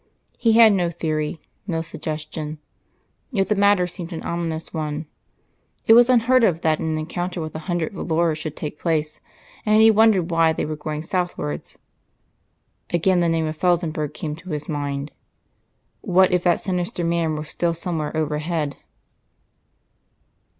He had no theory no suggestion. Yet the matter seemed an ominous one. It was unheard of that an encounter with a hundred volors should take place, and he wondered why they were going southwards. Again the name of Felsenburgh came to his mind. What if that sinister man were still somewhere overhead?